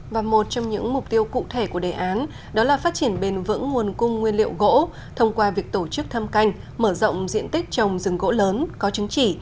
và một trong những mục tiêu cụ thể của đề án đó là phát triển bền vững nguồn cung nguyên liệu gỗ thông qua việc tổ chức thâm canh mở rộng diện tích trồng rừng gỗ lớn có chứng chỉ